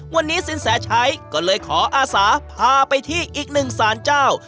วันนี้สินแสชัยก็เลยขออาศาพาไปที่อีกหนึ่งสารเจ้า